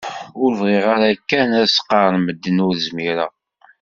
Ur bɣiɣ ara kan ad s-qqaren medden ur zmireɣ.